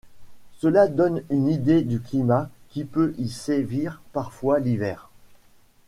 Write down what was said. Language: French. Cela donne une idée du climat qui peut y sévir parfois l'hiver.